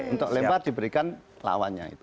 untuk lempar diberikan lawannya itu